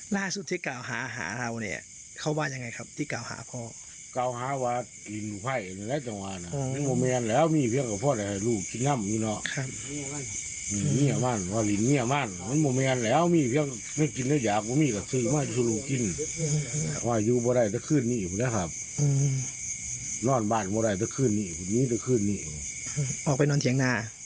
นอนบ้านเมื่อไหร่จะขึ้นนี่นี่จะขึ้นนี่ออกไปนอนเถียงหน้า